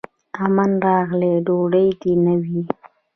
امن راغلی ډوډۍ دي نه وي